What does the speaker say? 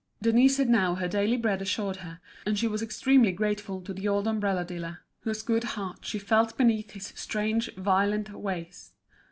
Denise had now her daily bread assured her, and she was extremely grateful to the old umbrella dealer, whose good heart she felt beneath his strange violent ways.